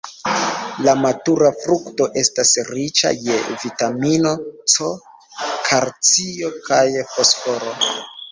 La matura frukto estas riĉa je vitamino C, kalcio kaj fosforo.